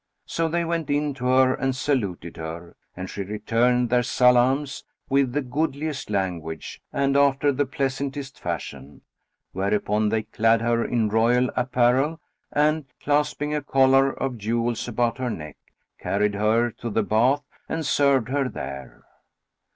So they went in to her and saluted her, and she returned their salams with the goodliest language and after the pleasantest fashion; whereupon they clad her in royal apparel and, clasping a collar of jewels about her neck, carried her to the bath and served her there.